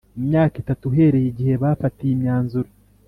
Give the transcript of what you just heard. Imyaka itatu uhereye igihe bafatiye imyanzuro